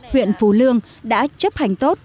huyện phú lương đã chấp hành tốt